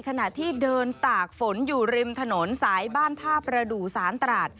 ขณะที่เดินตากฝนอยู่ริมถนนสายบ้านท่าประดูสารตราด